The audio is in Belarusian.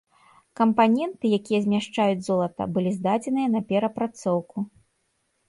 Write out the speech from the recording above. Кампаненты, якія змяшчаюць золата, былі здадзеныя на перапрацоўку.